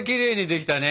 できたね